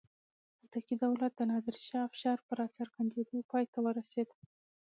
هوتکي دولت د نادر شاه افشار په راڅرګندېدو پای ته ورسېد.